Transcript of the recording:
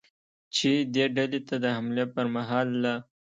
چې دې ډلې ته د حملې پرمهال ل